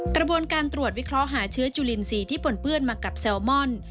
กระบวนการตรวจวิเคราะห์หาเชื้อจุลินทรีย์ที่ปนเปื้อนมากับแซลมอน